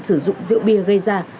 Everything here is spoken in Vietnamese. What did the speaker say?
sử dụng rượu bia gây ra